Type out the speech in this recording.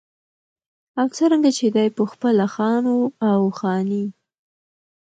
او څرنګه چې دى پخپله خان و او خاني